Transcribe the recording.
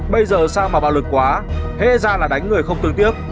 bây giờ sao mà bạo lực quá thế ra là đánh người không tương tiếp